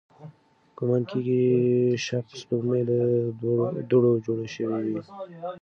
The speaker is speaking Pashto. ګومان کېږي، شبح سپوږمۍ له دوړو جوړې شوې وي.